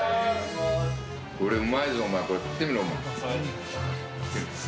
これ、うまいぞ、お前、食ってみろ。